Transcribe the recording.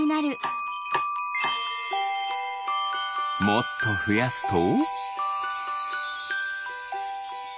もっとふやすと。